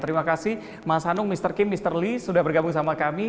terima kasih mas hanung mr kim mr lee sudah bergabung sama kami